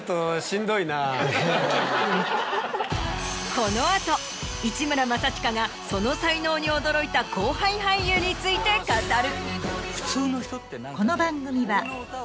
この後市村正親がその才能に驚いた後輩俳優について語る。